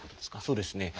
そうですね。